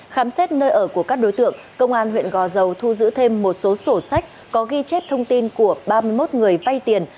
khám xét nơi ở của các đối tượng công an huyện gò dầu thu giữ thêm một số sổ sách có ghi chép thông tin của ba mươi một người vay tiền